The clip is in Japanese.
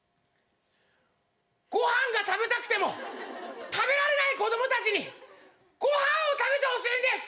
ご飯が食べたくても食べられない子供たちにご飯を食べてほしいんです。